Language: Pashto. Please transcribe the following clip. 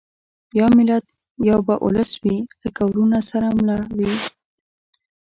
یو ملت یو به اولس وي لکه وروڼه سره مله وي